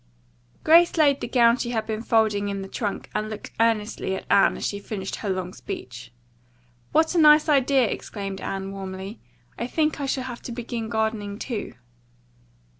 Grace laid the gown she had been folding in the trunk and looked earnestly at Anne as she finished her long speech. "What a nice idea!" exclaimed Anne warmly. "I think I shall have to begin gardening, too."